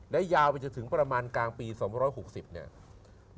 ยาวไปจนถึงประมาณกลางปี๒๖๐เนี่ย